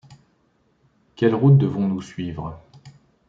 Quelle route devons-nous suivre ?